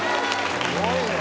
すごいね。